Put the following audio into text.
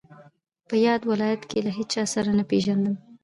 په یاد ولایت کې له هیچا سره نه پېژندم.